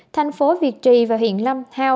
thành phố việt trì và huyện lâm thao